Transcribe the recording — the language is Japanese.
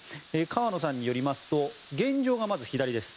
河野さんによりますと現状が、まず左です。